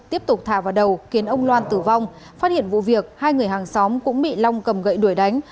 tiếp tục thả vào đầu khiến ông loan tử vong phát hiện vụ việc hai người hàng xóm cũng bị long cầm gậy đuổi đánh